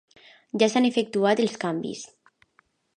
Ja s'han efectuat els canvis.